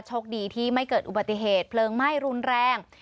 โชคดีที่ไม่เกิดอุบัติเหตุเพลิงไหม้รุนแรง